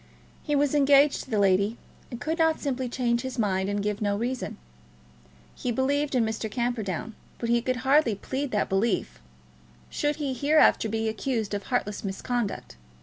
He was engaged to the lady, and could not simply change his mind and give no reason. He believed in Mr. Camperdown; but he could hardly plead that belief, should he hereafter be accused of heartless misconduct.